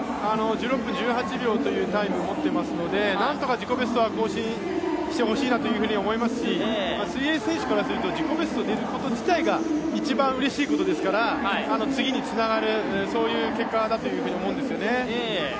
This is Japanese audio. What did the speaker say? １６分１８秒というタイムを持っていますので、なんとか自己ベストは更新してほしいと思いますし、水泳選手からすると自己ベスト出ること自体が一番うれしいことですから、次につながるそういう結果だと思うんですよね。